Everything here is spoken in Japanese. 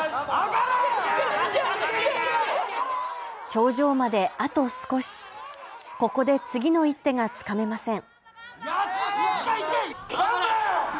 頂上まであと少し、ここで次の一手がつかめません。